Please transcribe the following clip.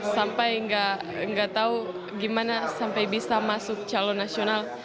sampai gak tau gimana sampai bisa masuk calon nasional